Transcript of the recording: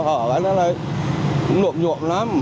họ đó là nộm nhộm lắm